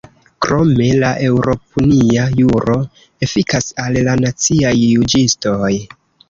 Krome, la eŭropunia juro efikas al la naciaj juĝistoj.